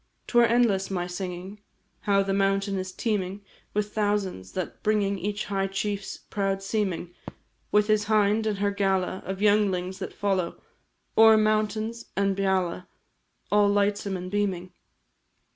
'Twere endless my singing How the mountain is teeming With thousands, that bringing Each a high chief's proud seeming, With his hind, and her gala Of younglings, that follow O'er mountain and beala, All lightsome are beaming.